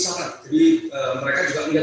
sangat jadi mereka juga melihat